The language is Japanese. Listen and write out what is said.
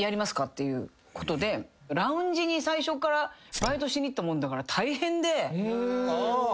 ラウンジに最初からバイトしに行ったもんだから大変で。